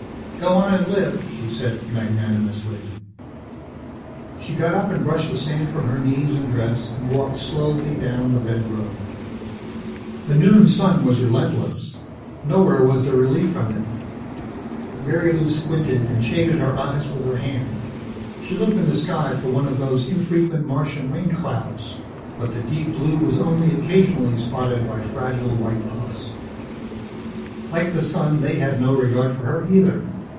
"Go on an' live," she said magnanimously. She got up and brushed the sand from her knees and dress, and walked slowly down the red road. The noon sun was relentless; nowhere was there relief from it. Marilou squinted and shaded her eyes with her hand. She looked in the sky for one of those infrequent Martian rain clouds, but the deep blue was only occasionally spotted by fragile white puffs. Like the sun, they had no regard for her, either.